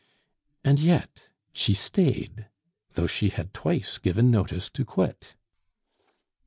And yet she stayed though she had twice given notice to quit.